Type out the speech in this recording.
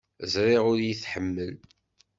Ẓriɣ ur iyi-tḥemmel.